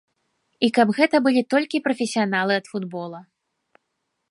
І каб гэта былі толькі прафесіяналы ад футбола.